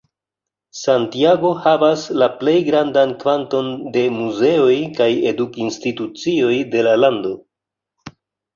Santiago havas la plej grandan kvanton de muzeoj kaj eduk-institucioj de la lando.